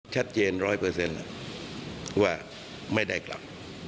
ร้อยเปอร์เซ็นต์ว่าไม่ได้กลับ